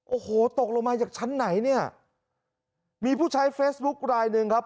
โอ้โหตกลงมาจากชั้นไหนเนี่ยมีผู้ใช้เฟซบุ๊คลายหนึ่งครับ